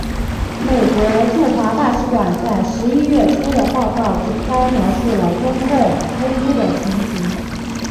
美国驻华大使馆在十一月初的报告简单描述了国共冲突的情形。